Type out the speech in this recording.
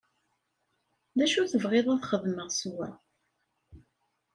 D acu tebɣiḍ ad xedmeɣ s wa?